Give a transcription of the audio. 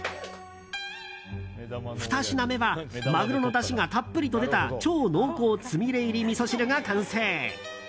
２品目はマグロのだしがたっぷりと出た超濃厚つみれ入りみそ汁が完成。